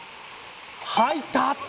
入った。